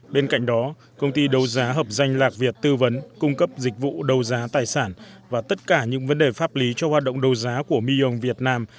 bên cạnh đó công ty đấu giá hợp danh lạc việt tư vấn cung cấp dịch vụ đấu giá tài sản và tất cả những vấn đề pháp lý cho hoạt động đấu giá của millon việt nam